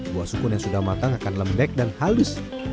buah sukun yang sudah matang akan lembek dan halus